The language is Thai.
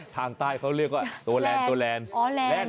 ทางใต้เขาเรียกตัวแลน